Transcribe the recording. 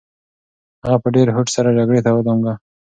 هغه په ډېر هوډ سره جګړې ته ودانګل.